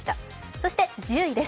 そして１０位です。